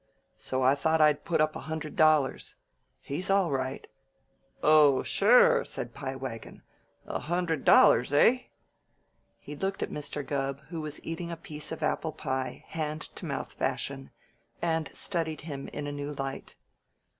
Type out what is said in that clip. So I thought I'd put up a hundred dollars. He's all right " "Oh, sure!" said Pie Wagon. "A hundred dollars, eh?" He looked at Mr. Gubb, who was eating a piece of apple pie hand to mouth fashion, and studied him in a new light.